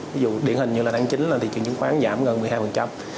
ví dụ điển hình như là tháng chín là thị trường chứng khoán giảm gần một mươi hai